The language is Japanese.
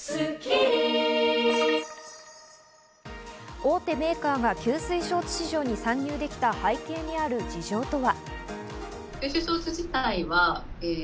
大手メーカーが吸水ショーツ市場に参入できた背景にある事情とは？